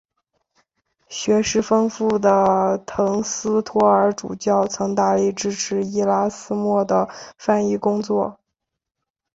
学识丰富的滕斯托尔主教曾大力支持伊拉斯谟的翻译工作。